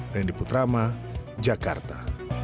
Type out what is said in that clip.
rendy putrama jakarta